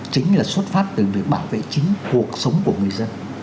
chính là xuất phát từ việc bảo vệ chính cuộc sống của người dân